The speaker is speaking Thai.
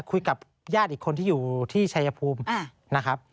คุยกับญาติอีกคนที่อยู่ที่ชายภูมินะครับ